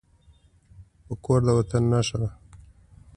پکورې د وطن نښه ده